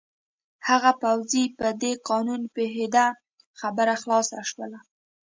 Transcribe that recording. هغه پوځي په دې قانون پوهېده، خبره خلاصه شول.